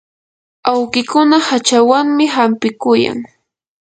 awkikuna hachawanmi hampikuyan.